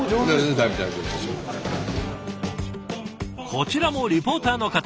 こちらもリポーターの方。